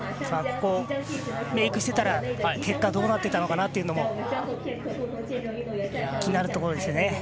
ここメイクしていたら結果どうなっていたのかも気になるところですね。